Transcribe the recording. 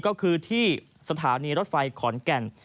ก็คือที่สถานีรถไฟขอนแก่น